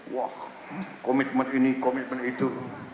wah komitmen ini komitmen itu